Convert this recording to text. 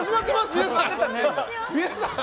皆さん！